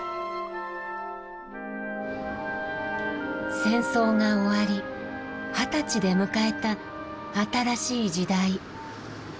戦争が終わり二十歳で迎えた新しい時代。